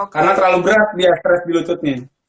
karena terlalu berat dia stres di lututnya